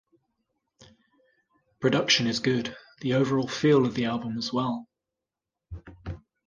The production is good, the overall feel of the album as well.